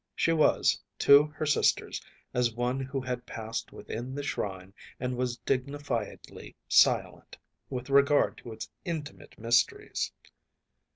She was, to her sisters, as one who had passed within the shrine and was dignifiedly silent with regard to its intimate mysteries.